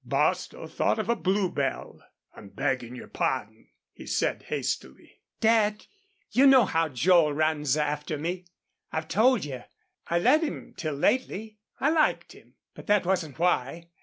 Bostil thought of a bluebell. "I'm beggin' your pardon," he said, hastily. "Dad, you know how Joel runs after me. I've told you. I let him till lately. I liked him. But that wasn't why.